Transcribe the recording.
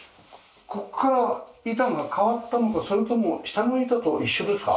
ここから板が変わったのかそれとも下の板と一緒ですか？